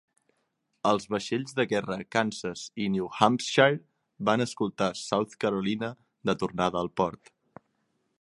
Els vaixells de guerra Kansas i New Hampshire van escoltar South Carolina de tornada al port.